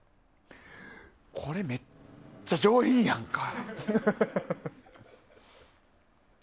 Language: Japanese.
これ、めっちゃ上品やんか。